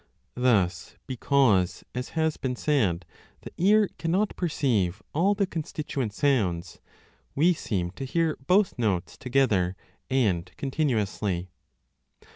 Thus, because, as has been said, the ear cannot perceive all the constituent sounds, we seem to hear both notes together and continuously.